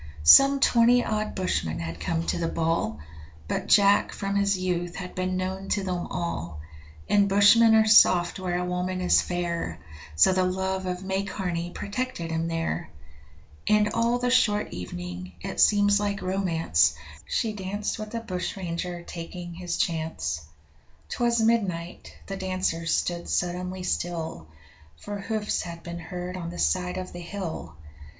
Some twenty odd bushmen had come to the 'ball', But Jack from his youth had been known to them all, And bushmen are soft where a woman is fair, So the love of May Carney protected him there; And all the short evening it seems like romance She danced with a bushranger taking his chance. 'Twas midnight the dancers stood suddenly still, For hoofs had been heard on the side of the hill!